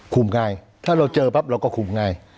ง่ายถ้าเราเจอปั๊บเราก็คุมง่าย